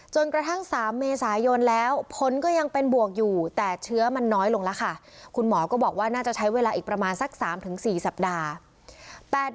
จนกระทั่งสามเมษายนแล้วผลก็ยังเป็นบวกอยู่แต่เชื้อมันน้อยลงละค่ะคุณหมอก็บอกว่าน่าจะใช้เวลาอีกประมาณสักสามถึงสี่สัปดาห์